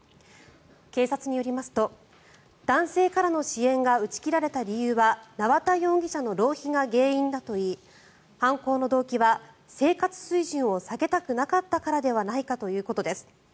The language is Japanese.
警察によりますと男性からの支援が打ち切られた理由は縄田容疑者の浪費が原因だといい犯行の動機は生活水準を下げたくなかったからではないかということです。